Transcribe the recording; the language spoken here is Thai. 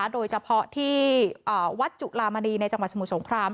โดยเฉพาะที่วัดจุลามณีในจังหวัดสมุทรสงคราม